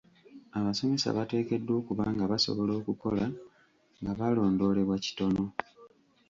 Abasomesa bateekeddwa okuba nga basobola okukola nga balondoolebwa kitono.